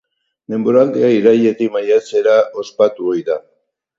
Denboraldia irailetik maiatzera ospatu ohi da.